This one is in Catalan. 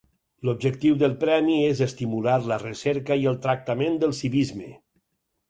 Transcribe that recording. L'objectiu del premi és estimular la recerca i el tractament del civisme.